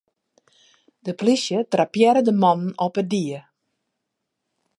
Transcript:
De polysje trappearre de mannen op 'e die.